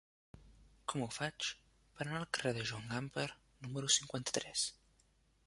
Com ho faig per anar al carrer de Joan Gamper número cinquanta-tres?